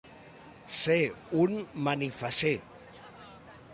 Ser un manifasser.